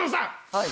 はい。